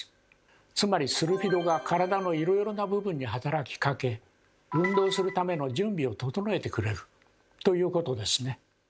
つまりスルフィドが体のいろいろな部分に働きかけ運動するための準備を整えてくれるということですね。